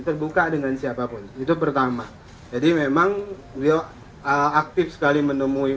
terbuka dengan siapapun itu pertama jadi memang beliau aktif sekali menemui